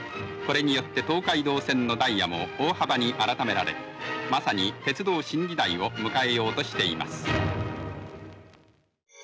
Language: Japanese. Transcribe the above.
これによって東海道線のダイヤも大幅に改められまさに鉄道新時代を迎えようとしています。